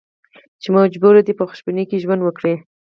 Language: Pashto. چې مجبور دي په خوشبینۍ کې ژوند وکړي.